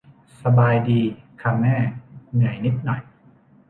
สบายดีค่ะแม่ เหนื่อยนิดหน่อย